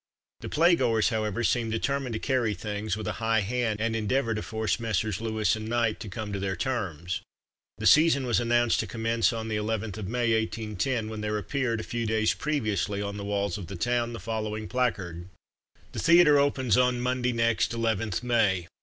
The play goers, however, seemed determined to carry things with a high hand, and endeavour to force Messrs. Lewis and Knight to come to their terms. The season was announced to commence on the 11th of May, 1810, when there appeared, a few days previously, on the walls of the town the following placard: THE THEATRE OPENS ON MONDAY NEXT, 11TH MAY.